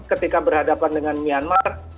ketika berhadapan dengan myanmar